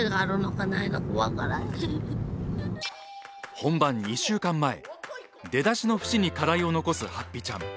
本番２週間前出だしの節に課題を残すはっぴちゃん。。